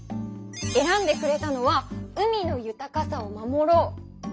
えらんでくれたのは「海の豊かさを守ろう」だね！